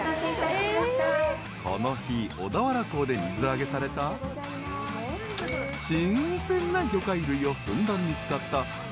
［この日小田原港で水揚げされた新鮮な魚介類をふんだんに使った豪華舟盛り］